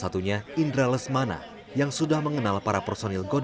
di tangan mereka harus mencoba untuk menangkap tambahan saint john